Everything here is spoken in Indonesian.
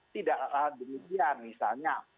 tidaklah demikian misalnya